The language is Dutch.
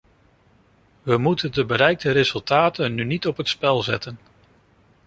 We moeten de bereikte resultaten nu niet op het spel zetten.